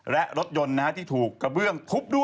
และรถยนต์ที่ถูกกระเบื้องทุบด้วย